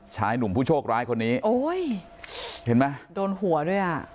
ชายหนุ่มผู้โชคร้ายคนนี้โอ้ยเห็นไหมโดนหัวด้วยอ่ะ